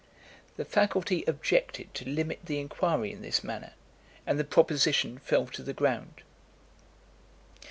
The faculty objected to limit the inquiry in this manner, and the proposition fell to the ground.